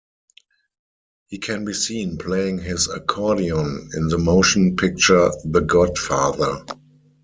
He can be seen playing his accordion in the motion picture The Godfather.